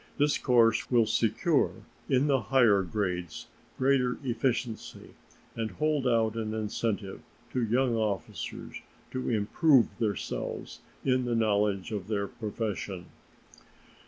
This course will secure in the higher grades greater efficiency and hold out an incentive to young officers to improve themselves in the knowledge of their profession.